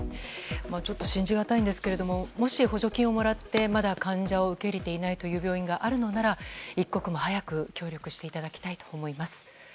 ちょっと信じがたいんですがもし補助金をもらってまだ患者を受け入れていないという病院があるのなら一刻も早く協力していただきたいと思います。